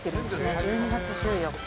１２月１４日。